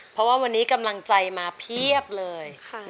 เพราะว่าวันนี้กำลังใจมาเพียบเลย